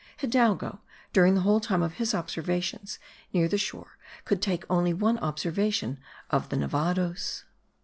Hidalgo during the whole time of his operations near the shore could take only one observation of the Nevados.